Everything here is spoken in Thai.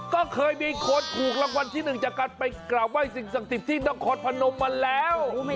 ก็เคยมีคนถูกรางวัลที่๑จากการไปกราบไห้สิ่งศักดิ์สิทธิ์ที่นครพนมมาแล้ว